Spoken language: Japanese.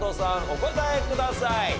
お答えください。